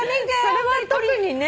それは特にね。